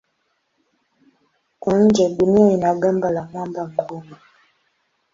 Kwa nje Dunia ina gamba la mwamba mgumu.